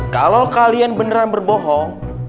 kalau kalian beneran berbohong